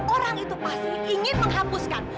orang itu pasti ingin menghapuskan